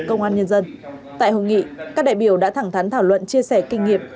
công an nhân dân tại hội nghị các đại biểu đã thẳng thắn thảo luận chia sẻ kinh nghiệm